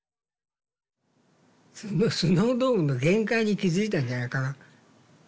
スノードームの限界に気付いたんじゃないかな。